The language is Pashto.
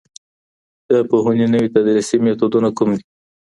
د پوهنې نوي تدریسي میتودونه کوم دي؟